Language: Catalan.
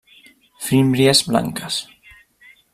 Fímbries blanques.